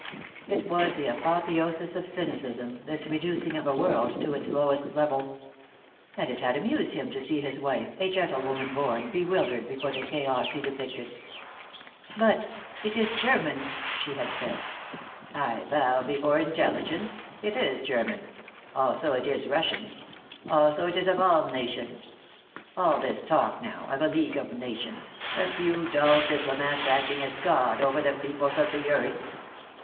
It was the apotheosis of cynicism, this reducing of a world to its lowest level. And it had amused him to see his wife, a gentlewoman born, bewildered before the chaos he depicted. "But it is German!" she had said. "I bow before intelligence. It is German. Also it is Russian. Also it is of all nations. All this talk now, of a League of Nations, a few dull diplomats acting as God over the peoples of the earth!"